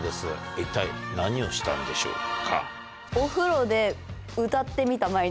一体何をしたんでしょうか？